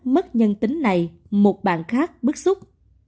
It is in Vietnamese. mất nhân tính này một bạn khác bức xúc